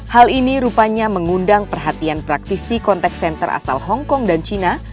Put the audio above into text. hal ini rupanya mengundang perhatian praktisi kontak senter asal hongkong dan cina